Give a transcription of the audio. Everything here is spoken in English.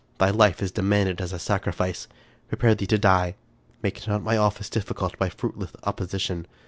Thy life is demanded as a sacrifice. Prepare thee to die. Make not my office difficult by fruitless opposition.